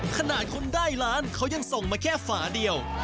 ขนาดคนได้ล้านเขายังส่งมาแค่ฝาเดียว